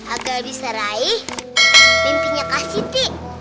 agak bisa raih mimpinya kak siti